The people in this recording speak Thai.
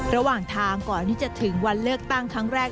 ระหว่างทางก่อนที่จะถึงวันเลือกตั้งครั้งแรก